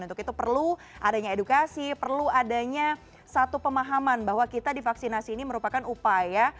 untuk itu perlu adanya edukasi perlu adanya satu pemahaman bahwa kita divaksinasi ini merupakan upaya